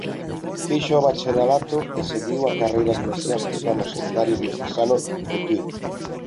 Fixo o bacharelato e seguiu a carreira eclesiástica no seminario diocesano de Tui.